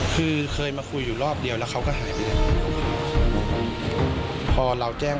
คือเคยมาคุยอยู่รอบเดียวแล้วเขาก็หายไปเลยพอเราแจ้ง